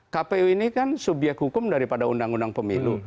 kpu ini kan subyek hukum daripada undang undang pemilu